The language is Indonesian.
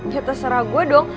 ya terserah gue dong